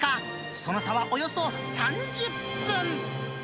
その差はおよそ３０分。